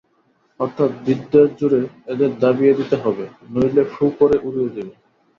অর্থাৎ বিদ্যের জোরে এদের দাবিয়ে দিতে হবে, নইলে ফু করে উড়িয়ে দেবে।